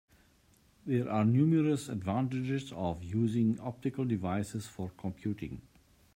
There are numerous advantages of using optical devices for computing.